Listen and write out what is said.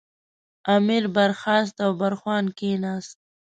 امیر برخاست او برخوان کېناست.